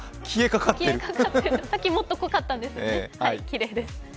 さっきもっと濃かったんですよね、きれいです。